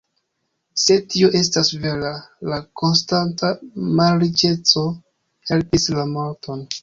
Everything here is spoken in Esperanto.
Se tio estas vera, la konstanta malriĉeco helpis la morton.